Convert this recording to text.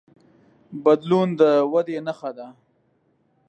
بدلون د ودې نښه ده.